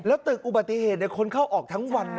แล้วตึกอุบัติเหตุคนเข้าออกทั้งวันนะ